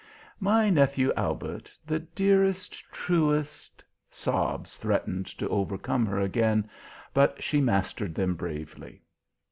My nephew Albert, the dearest, truest " sobs threatened to overcome her again, but she mastered them bravely.